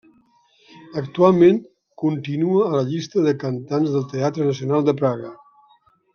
Actualment continua a la llista de cantants del Teatre Nacional de Praga.